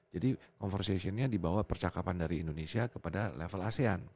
jadi conversationnya dibawa percakapan dari indonesia kepada level asean